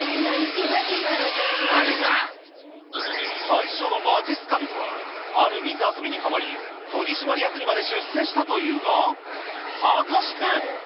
最初のまじっすか人は、ある水遊びにはまり、取締役にまで出世したというが、果たして。